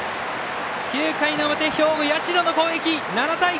９回の表、兵庫、社の攻撃。